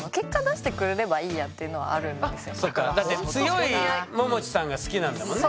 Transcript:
まあでもだって強いももちさんが好きなんだもんね。